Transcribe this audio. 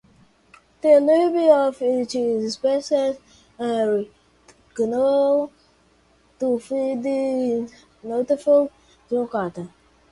The larvae of this species are known to feed on "Nothofagus truncata".